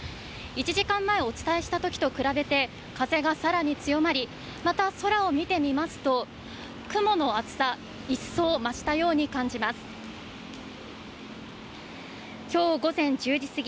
１時間前お伝えしたときと比べて、風が更に強まり、また、空を見てみますと雲の厚さ、一層増したように感じます。